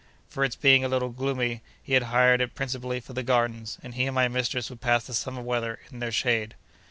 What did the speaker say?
For its being a little gloomy, he had hired it principally for the gardens, and he and my mistress would pass the summer weather in their shade.